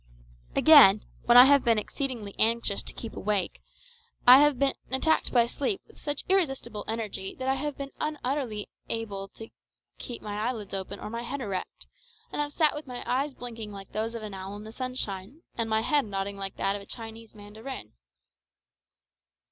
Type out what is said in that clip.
Again, when I have been exceedingly anxious to keep awake, I have been attacked by sleep with such irresistible energy that I have been utterly unable to keep my eyelids open or my head erect, and have sat with my eyes blinking like those of an owl in the sunshine, and my head nodding like that of a Chinese mandarin.